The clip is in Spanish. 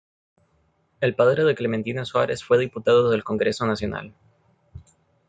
El padre de Clementina Suárez fue diputado del Congreso Nacional.